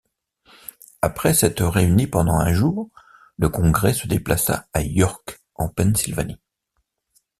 Après s’être réuni pendant un jour, le Congrès se déplaça à York, en Pennsylvanie.